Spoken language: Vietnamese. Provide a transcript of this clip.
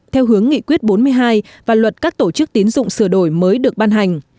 theo hướng nghị quyết bốn mươi hai và luật các tổ chức tín dụng sửa đổi mới được ban hành